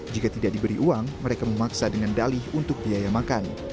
jika tidak diberi uang mereka memaksa dengan dalih untuk biaya makan